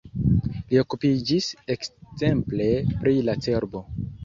Li okupiĝis ekzemple pri la cerbo.